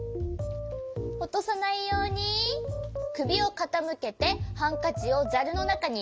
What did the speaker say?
おとさないようにくびをかたむけてハンカチをざるのなかにいれるよ。